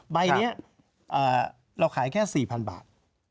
ใบนี้เราขายแค่๔๐๐๐บาท